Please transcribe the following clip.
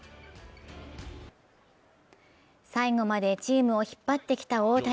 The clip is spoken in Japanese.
最後までチームを引っ張ってきた大谷。